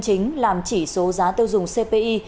chính làm chỉ số giá tiêu dùng cpi